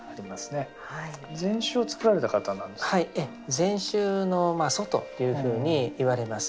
禅宗の祖というふうにいわれます。